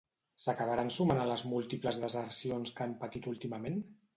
S'acabaran sumant a les múltiples desercions que han patit últimament?